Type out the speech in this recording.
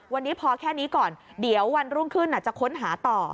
วันนี้พอแค่นี้ก่อนเดี๋ยววันรุ่งขึ้นจะค้นหาต่อ